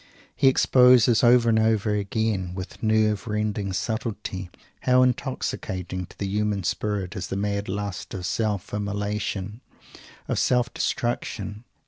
He exposes over and over again, with nerve rending subtlety, how intoxicating to the human spirit is the mad lust of self immolation, of self destruction.